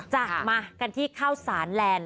จัดมาการที่ข้าวสานแลนด์